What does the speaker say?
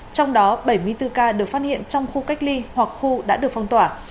trong đó bảy mươi bốn ca được phát hiện trong khu cách ly hoặc khu đã được phong tỏa